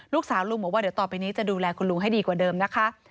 ลูกสาวลุงบอกว่าเดี๋ยวต่อไปนี้จะดูแลคุณลุงให้ดีกว่าเดิมนะคะ